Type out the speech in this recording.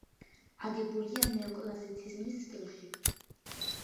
აგებულია ნეოკლასიციზმის სტილში.